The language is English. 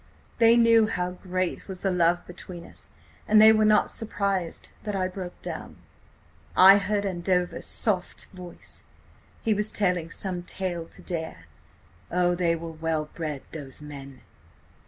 They knew how great was the love between us, and they were not surprised that I broke down. "I heard Andover's soft voice. .. he was telling some tale to Dare. Oh, they were well bred those men!